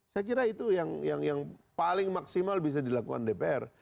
saya kira itu yang paling maksimal bisa dilakukan dpr